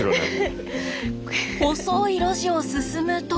細い路地を進むと。